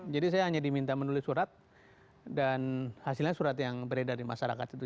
jadi saya hanya diminta menulis surat dan hasilnya surat yang beredar di masyarakat itu